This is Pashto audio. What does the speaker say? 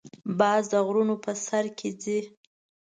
باز د غرونو په سر کې ځې